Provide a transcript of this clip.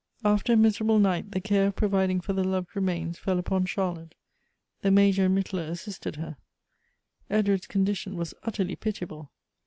After a miserable night, the care of providing for the loved remains fell upon Charlotte. The Major and Mittler assisted her. Edward's condition was utterly pitiable.